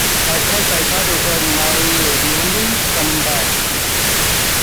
At first I thought it was my rheumatism coming back.